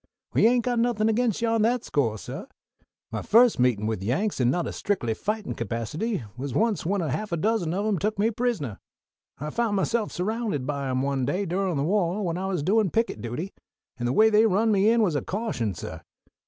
"We ain't got anything against you on that score, suh. My first meetin' with Yanks in a not strictly fightin' capacity was once when a half a dozen of 'em took me prisoner. I found myself surrounded by 'em one day durin' the wah when I was doin' picket duty, and the way they run me in was a caution, suh.